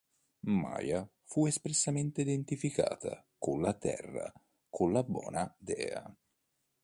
Maia fu espressamente identificata con la Terra con la "Bona Dea".